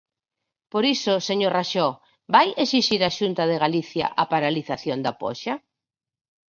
Por iso, señor Raxó, ¿vai exixir a Xunta de Galicia a paralización da poxa?